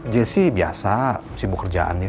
jesse biasa sibuk kerjaan dia